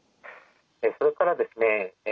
それからですね